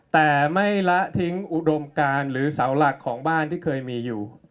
แต่ไม่ละทิ้งอุดมการหรือเสาหลักของบ้านที่เคยมีอยู่